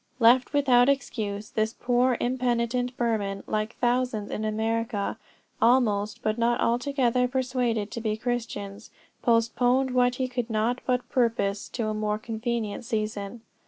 Left without excuse, this poor impenitent Burman, like thousands in America, almost, but not altogether persuaded to be Christians, postponed what he could not but purpose to a more convenient season.